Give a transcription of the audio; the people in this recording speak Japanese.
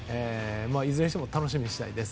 いずれにしても楽しみにしたいです。